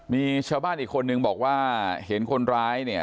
มีชาวบ้านอีกคนนึงบอกว่าเห็นคนร้ายเนี่ย